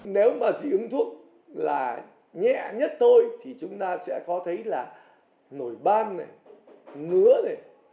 nếu mà dị ứng thuốc là nhẹ nhất thôi thì chúng ta sẽ có thấy là nổi ban này ngứa này